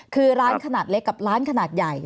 คือร้านขนาดเล็กกับร้านขนาดใหญ่